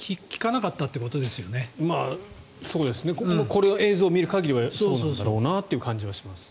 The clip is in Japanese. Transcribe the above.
この映像を見る限りはそうなんだろうなという感じはします。